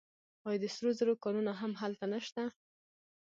آیا د سرو زرو کانونه هم هلته نشته؟